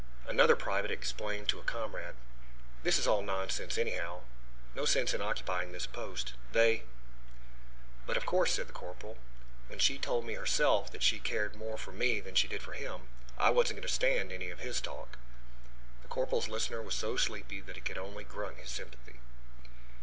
Another private explained to a comrade: "This is all nonsense anyhow. No sense in occupying this post. They " "But, of course," said the corporal, "when she told me herself that she cared more for me than she did for him, I wasn't going to stand any of his talk " The corporal's listener was so sleepy that he could only grunt his sympathy.